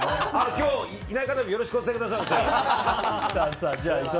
今日いない方にもよろしくお伝えください。